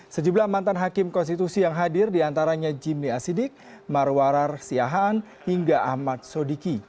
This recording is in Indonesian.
sejumlah mantan hakim konstitusi yang hadir diantaranya jimmy asidik marwarar siahaan hingga ahmad sodiki